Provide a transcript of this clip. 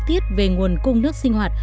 nói tiếp về nguồn cung nước sinh hoạt